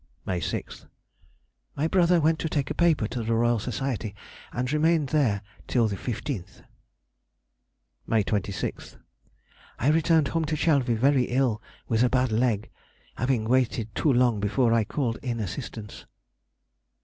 May 6th.—My brother went to take a paper to the R. S., and remained there till the 15th. May 26th.—I returned home to Chalvy very ill with a bad leg, having waited too long before I called in assistance.